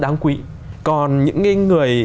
đáng quý còn những người